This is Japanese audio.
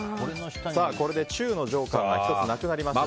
これで中のジョーカーが１つなくなりました。